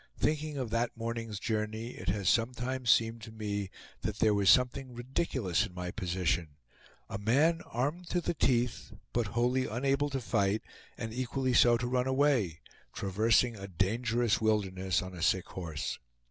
Thinking of that morning's journey, it has sometimes seemed to me that there was something ridiculous in my position; a man, armed to the teeth, but wholly unable to fight, and equally so to run away, traversing a dangerous wilderness, on a sick horse.